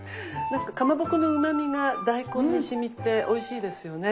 なんかかまぼこのうまみが大根にしみておいしいですよね。